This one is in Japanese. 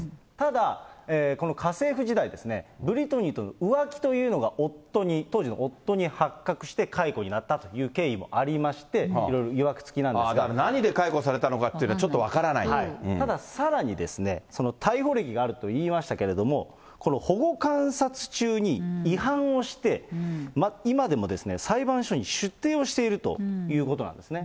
ただ、この家政婦時代ですね、ブリトニーとの浮気というのが夫に、当時の夫に発覚して、解雇になったという経緯もありまして、いろいろだから何で解雇されたのかとたださらにですね、逮捕歴があるといいましたけれども、この保護観察中に違反をして、今でも裁判所に出廷をしているということなんですね。